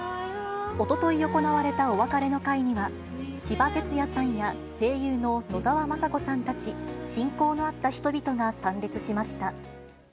おととい行われたお別れの会には、ちばてつやさんや、声優の野沢雅子さんたち、親交のあった人々が参列しました。